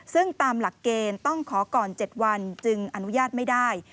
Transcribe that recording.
ซึ่งตามหลักเกณฑ์ต้องขอก่อน๗วันจึงอนุญาตไม่ได้